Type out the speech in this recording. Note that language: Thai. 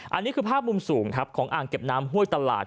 อันนี้คือภาพมุมสูงครับของอ่างเก็บน้ำห้วยตลาด